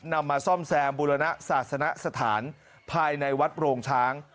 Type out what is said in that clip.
นำมาซ่อมแซมบุรณศาสนสถานภายในวัดโรงช้าง